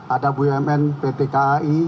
ada bumn pt kai